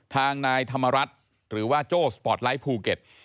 ทางนายธรรมรัฐหรือว่าโจ้สปอร์ตไลท์ภูเก็ต